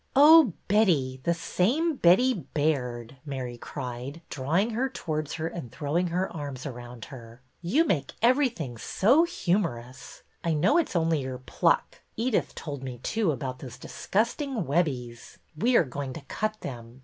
" Oh, Betty, the same Betty Baird !" Mary cried, drawing her towards her and throwing her arms around her. You make everything so humorous ! I know it 's only your pluck. Edyth told me, too, about those disgusting Web bies. We are going to cut them.